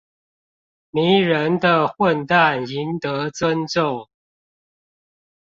迷人的混蛋贏得尊重